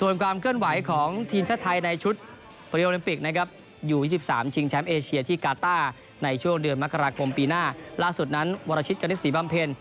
ล่าสุดนั้นวรชิตกณฑษีบัมเพลิน